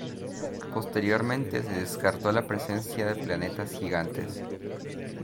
Posteriormente se descartó la presencia de planetas gigantes.